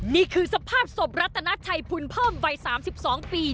นี่คือสภาพศพรัตนาชัยพุนเพิ่มวัย๓๒ปี